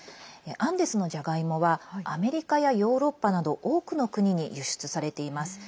アンデスのじゃがいもはアメリカやヨーロッパなど多くの国に輸出されています。